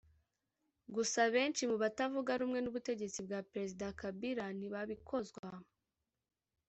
Gusa benshi mu batavuga rumwe n’ubutegetsi bwa Perezida Kabila ntibabikozwa